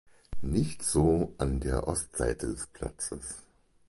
Nicht so an der Ostseite des Platzes.